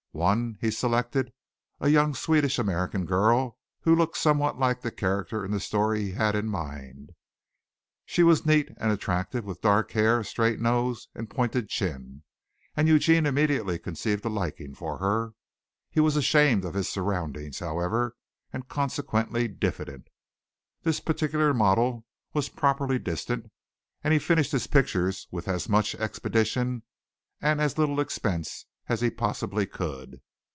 One he selected, a young Swedish American girl who looked somewhat like the character in the story he had in mind. She was neat and attractive, with dark hair, a straight nose and pointed chin, and Eugene immediately conceived a liking for her. He was ashamed of his surroundings, however, and consequently diffident. This particular model was properly distant, and he finished his pictures with as much expedition and as little expense as he possibly could.